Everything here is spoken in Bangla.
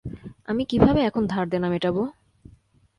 আমি কীভাবে এখন ধার-দেনা মেটাবো?